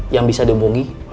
yang bisa dihubungi